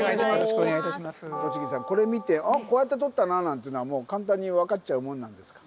これ見てあこうやって撮ったななんていうのは簡単に分かっちゃうもんなんですか？